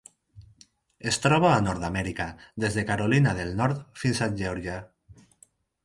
Es troba a Nord-amèrica: des de Carolina del Nord fins a Geòrgia.